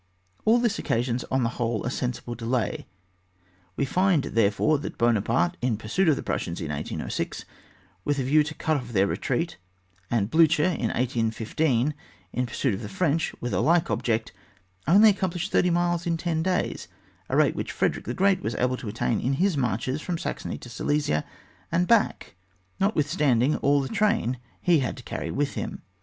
All this occasions on the whole a sensible delay. We find, therefore, that Buonaparte in pursuit of the Prussians in 1806, with a view to cut off their retreat, and Bliicher in 1815, in pursuit of the French, with a like object, only accomplished thirty miles in ten days, a rate which Frederick the Great was able to attain in his marches from Saxony to Silesia and back, notwith standing all the train that he had to carry with him.